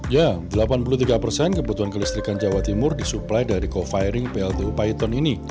ya delapan puluh tiga persen kebutuhan kelistrikan jawa timur disuplai dari co firing pltu paiton ini